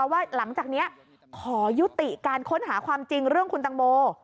ว่าหลังจากนี้ขอยุติการค้นหาความจริงเรื่องคุณตังโม